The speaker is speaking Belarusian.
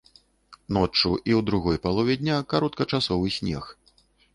Ноччу і ў другой палове дня кароткачасовы снег.